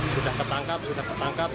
sudah ketangkap sudah ketangkap